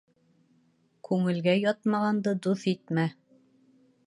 Күңелгә ятмағанды дуҫ итмә.